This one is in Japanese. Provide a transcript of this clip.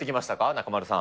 中丸さん。